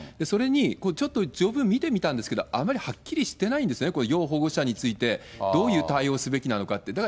それにちょっと条文見てみたんですけど、あまりはっきりしてないんですね、この要保護者について、どういう対応すべきなのかって。